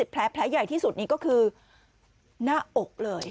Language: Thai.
แผลใหญ่ที่สุดนี้ก็คือหน้าอกเลย